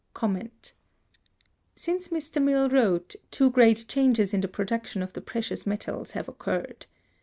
Since Mr. Mill wrote, two great changes in the production of the precious metals have occurred.